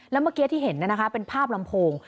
แล้วเมื่อกี้ที่เห็นเป็นภาพลำโพง